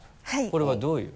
これはどういう？